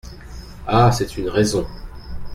Ah ! c’est une raison…